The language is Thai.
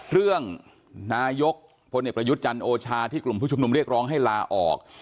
เรื่องนายกพลเอกประยุทธ์จันทร์โอชาที่กลุ่มผู้ชุมนุมเรียกร้องให้ลาออก